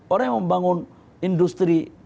orang yang membangun industri